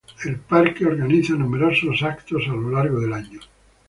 El parque organiza numerosos eventos a lo largo del año,